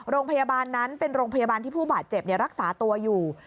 โรงพยาบาลนั้นเป็นโรงพยาบาลที่ผู้บาดเจ็บรักษาตัวอยู่